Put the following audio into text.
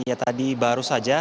ya tadi baru saja